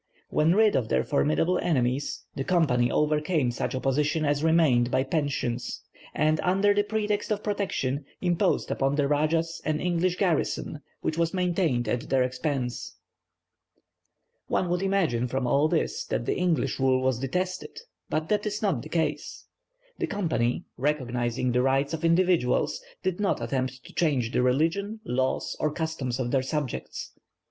When rid of their formidable enemies, the Company overcame such opposition as remained by pensions; and, under the pretext of protection, imposed upon the rajahs an English garrison which was maintained at their expense. One would imagine from all this that the English rule was detested; but that is not the case. The Company, recognizing the rights of individuals, did not attempt to change the religion, laws, or customs of their subjects.